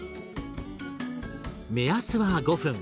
目安は５分。